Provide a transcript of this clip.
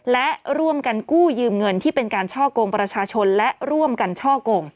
และร่วมกันกู้ยืมเงินที่เป็นการช่อกงประชาชนและร่วมกันช่อกง